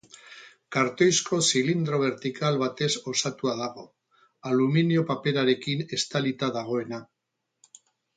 Kartoizko zilindro bertikal batez osatua dago, aluminio paperarekin estalita dagoena.